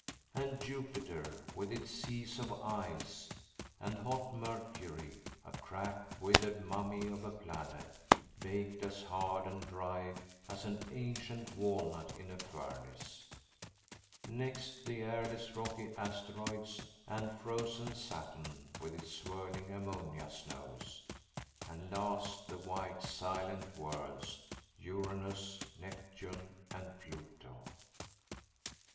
And Jupiter, with its seas of ice; and hot Mercury, a cracked, withered mummy of a planet, baked as hard and dry as an ancient walnut in a furnace. Next, the airless, rocky asteroids, and frozen Saturn with its swirling ammonia snows. And last, the white, silent worlds, Uranus, Neptune, and Pluto.